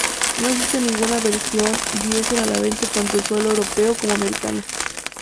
No existe ninguna versión diesel a la venta tanto en suelo europeo como americano.